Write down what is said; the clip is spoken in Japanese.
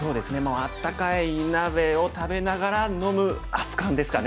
温かい鍋を食べながら飲む熱かんですかね。